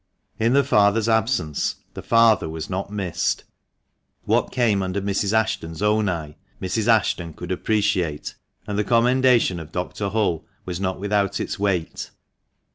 In the father's absence the father was not missed. What came under Mrs. Ashton's own eye Mrs, Ashton could appreciate. THE MANCHESTER MAN. 243 and the commendation of Dr. Hull was not without its weight.